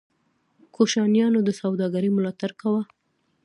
کوشانیانو د سوداګرۍ ملاتړ کاوه